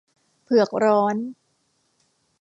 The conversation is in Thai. เผือกร้อน